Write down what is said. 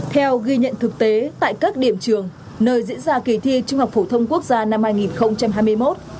theo ghi nhận thực tế tại các điểm trường nơi diễn ra kỳ thi trung học phổ thông quốc gia năm hai nghìn hai mươi một